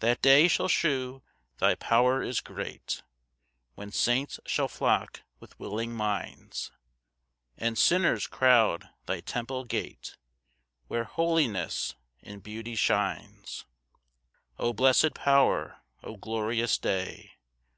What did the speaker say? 3 "That day shall shew thy power is great, "When saints shall flock with willing minds, "And sinners crowd thy temple gate, "Where holiness in beauty shines." 4 O blessed power! 0 glorious day!